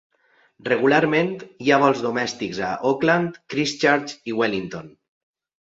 Regularment hi ha vols domèstics a Auckland, Christchurch i Wellington.